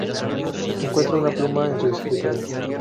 Encuentra una pluma en su escritorio.